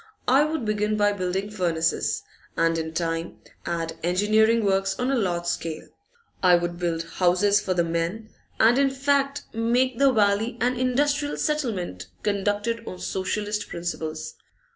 I would begin by building furnaces, and in time add engineering works on a large scale. I would build houses for the men, and in fact make that valley an industrial settlement conducted on Socialist principles.